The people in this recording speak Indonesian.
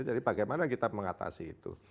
jadi bagaimana kita mengatasi itu